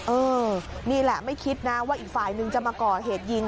เออนี่แหละไม่คิดนะว่าอีกฝ่ายนึงจะมาก่อเหตุยิง